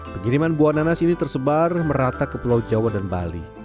pengiriman buah nanas ini tersebar merata ke pulau jawa dan bali